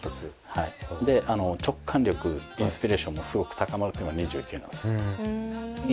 であの直感力インスピレーションもすごく高まるってのが２９なんです。